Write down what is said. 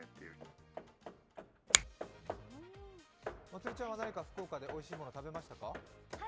まつりちゃんは何か福岡でおいしいもの食べました？